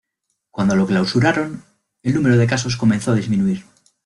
Cuando lo clausuraron, el número de casos comenzó a disminuir.